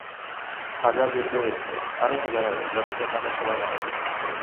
হাজার যুদ্ধ হয়েছে, আরও হাজার হবে, যতদিন না আমরা সবাই মারা যাই।